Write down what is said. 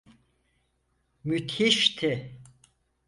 Müthişti!